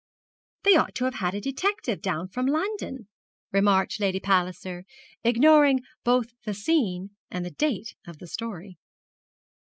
'They ought to have had a detective down from London,' remarked Lady Palliser, ignoring both the scene and the date of the story.